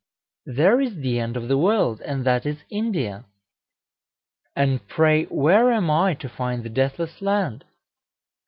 there is the end of the world, and that is India." "And pray where am I to find the Deathless Land?"